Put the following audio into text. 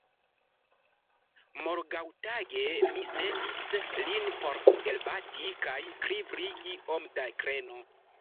Morgaŭtage mi sendis lin por elbati kaj kribri iom da greno.